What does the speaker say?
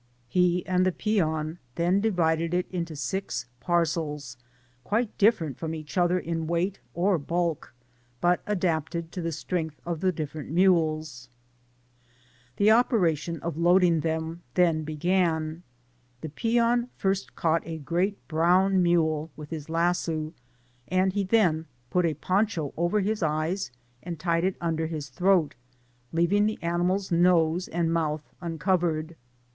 He and the peon then divided it into six parcels, quite different from each other in weight or bulk, but adapted to the strength of the different mules. The op^^tion of loading then began. The peon first caught a great brown mule with his lasso, and he then put a poncho over his eyes, and tied it under his throat, leaving the animal'^s nose and mouth uncovered.